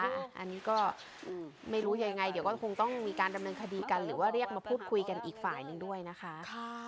อันนี้ก็ไม่รู้ยังไงเดี๋ยวก็คงต้องมีการดำเนินคดีกันหรือว่าเรียกมาพูดคุยกันอีกฝ่ายหนึ่งด้วยนะคะ